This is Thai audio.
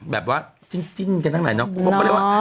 แบบว่าจิ้นกันตั้งไหนเนอะพวกเขาเรียกว่า